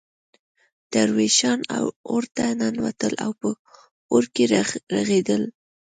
درویشان اورته ننوتل او په اور کې رغړېدل.